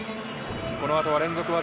このあとは連続技。